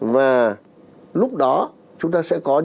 và lúc đó chúng ta sẽ có thể thống kê